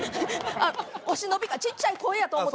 あっお忍びちっちゃい声やと思た。